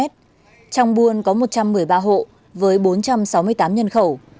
trong buôn có một trăm một mươi ba hộ với bốn trăm sáu mươi tám nhân khẩu